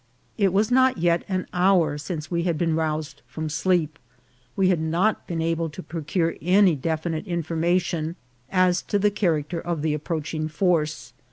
It was not yet an hour since we had been roused from sleep. We had not been able to procure any def inite information as to the character of the approaching force.